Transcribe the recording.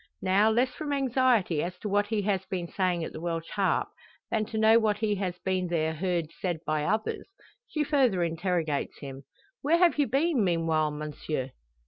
Now, less from anxiety as to what he has been saying at the Welsh Harp, than to know what he has there heard said by others, she further interrogates him: "Where have you been meanwhile, monsieur?"